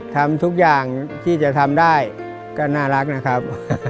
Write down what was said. ทำทุกอย่างที่จะทำได้ก็น่ารักนะครับ